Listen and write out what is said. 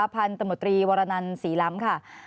พันธมตรีวรนันศรีล้ำค่ะ